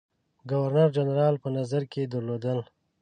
ګورنر جنرال په نظر کې درلودل.